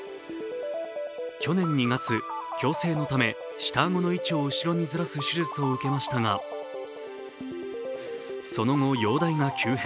去年２月、矯正のため下あごの位置を後ろにずらす手術を受けましたがその後、容体が急変。